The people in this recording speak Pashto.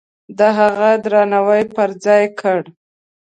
د هغه درناوی پرځای کړ.